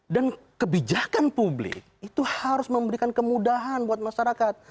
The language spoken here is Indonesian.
dan kebijakan publik itu harus memberikan kemudahan buat masyarakat